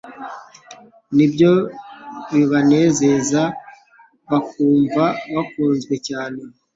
nibyo bibanezeza bakumva bakunzwe cyane.